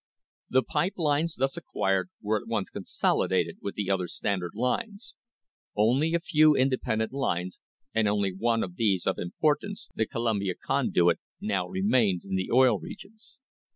The pipe lines thus acquired were at once consolidated with the other Standard lines. Only a few independent lines, and only one of these of importance — the Columbia Conduit — now remained in the Oil Regions.